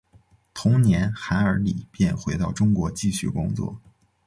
同年韩尔礼便回到中国继续工作。